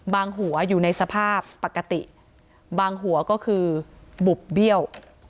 หัวอยู่ในสภาพปกติบางหัวก็คือบุบเบี้ยว